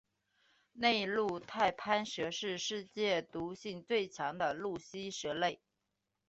内陆太攀蛇是世界毒性最强的陆栖蛇类。